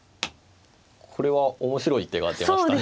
これは面白い手が出ましたね。